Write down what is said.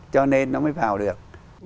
cho nên nó mới vào được